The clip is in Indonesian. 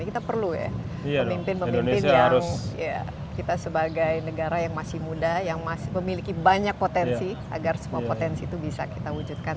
kita perlu ya pemimpin pemimpin yang kita sebagai negara yang masih muda yang masih memiliki banyak potensi agar semua potensi itu bisa kita wujudkan